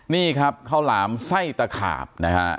นี่ครับข้าวหลามไส้ตะขาบนะฮะ